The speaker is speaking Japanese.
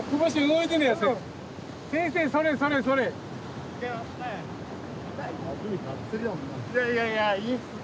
いやいやいやいいっすね。